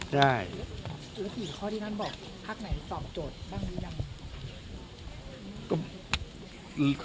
ได้